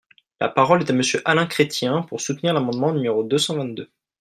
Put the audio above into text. La parole est à Monsieur Alain Chrétien, pour soutenir l’amendement numéro deux cent vingt-deux.